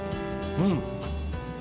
うん！